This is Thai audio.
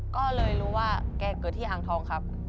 ก็เลยรู้ว่าแกเกิดที่อ่างทองครับ